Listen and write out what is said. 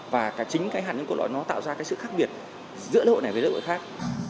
và chính cái hạt nhân cốt lõi nó tạo ra cái sự khác biệt giữa lễ hội này với lễ hội khác